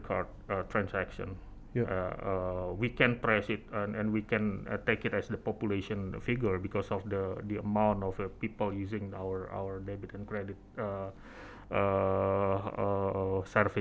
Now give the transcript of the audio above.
kita bisa menekan dan kita bisa mengambilnya sebagai figure populasi karena jumlah orang yang menggunakan debit dan kredit kita